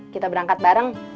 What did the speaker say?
kita berangkat bareng